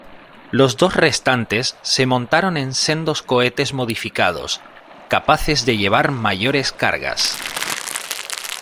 Los dos restantes se montaron en sendos cohetes modificados, capaces de llevar mayores cargas.